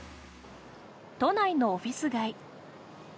都内のオフィス街。